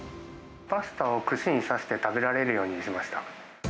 パスタを串に刺して食べられるようにしました。